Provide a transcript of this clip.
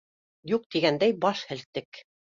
Юҡ тигәндәй баш һелктек.